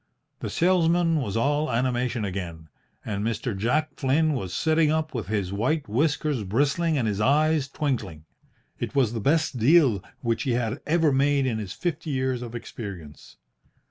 The salesman was all animation again, and Mr. Jack Flynn was sitting up with his white whiskers bristling and his eyes twinkling. It was the best deal which he had ever made in his fifty years of experience.